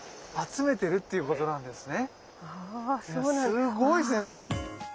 すごいですね。